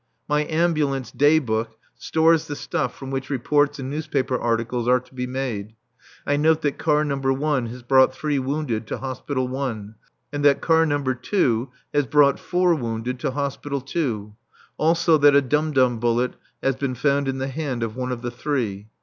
My ambulance Day Book stores the stuff from which reports and newspaper articles are to be made. I note that Car No. 1 has brought three wounded to Hospital I., and that Car No. 2 has brought four wounded to Hospital II., also that a dum dum bullet has been found in the hand of one of the three.